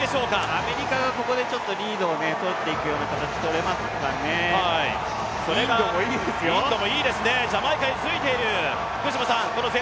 アメリカがここでちょっとリードをとっていくような形、とれますかねインドもいいですよ、ジャマイカについている。